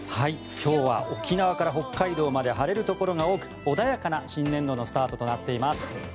今日は沖縄から北海道まで晴れるところが多く穏やかな新年度のスタートとなっています。